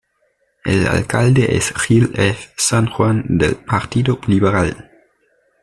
El alcalde es Gil F. San Juan del Partido Liberal.